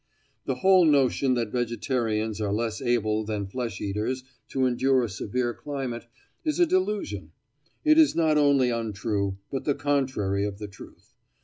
The whole notion that vegetarians are less able than flesh eaters to endure a severe climate is a delusion; it is not only untrue, but the contrary of the truth.